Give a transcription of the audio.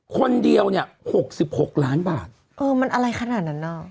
คนเดียวเนี้ย๖๖ล้านบาทเออมันอะไรขนาดนั้นอ่ะ